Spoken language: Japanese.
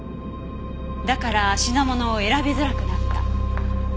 だから品物を選びづらくなった。